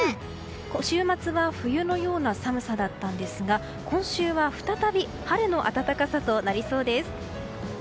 週末は冬のような寒さだったんですが今週は再び春の暖かさとなりそうです。